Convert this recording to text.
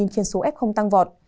khiến số f tăng vọt